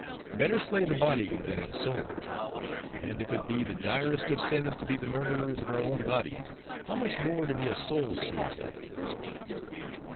Better slay the body than the soul; and if it be the direst of sins to be the murderers of our own bodies, how much more to be a soul suicide.